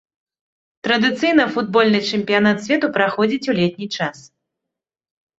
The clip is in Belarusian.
Традыцыйна футбольны чэмпіянат свету праходзіць у летні час.